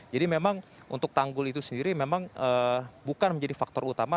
jadi memang untuk tanggul itu sendiri memang bukan menjadi faktor utama